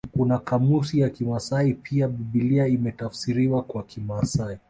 Kuna kamusi ya kimasai pia Biblia imetafsiriwa kwa kimasai